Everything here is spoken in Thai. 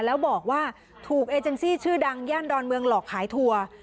แล้วบอกว่าถูกเอเจนซี่ชื่อดังย่านดอนเมืองหลอกขายทัวร์